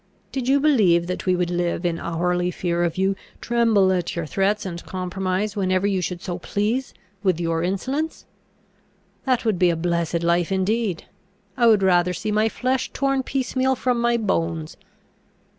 Did you believe that we would live in hourly fear of you, tremble at your threats, and compromise, whenever you should so please, with your insolence? That would be a blessed life indeed! I would rather see my flesh torn piecemeal from my bones!